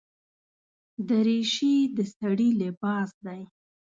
دریشي د سړي لباس دی.